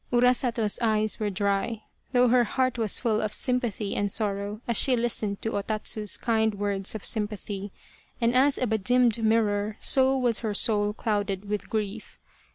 Urasato's eyes were dry, though her heart was full of sympathy and sorrow as she listened to O Tatsu's kind words of sympathy, and as a bedimmed mirror so was her soul clouded with grief.